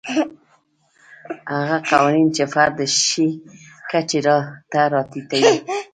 هغه قوانین چې فرد د شي کچې ته راټیټوي.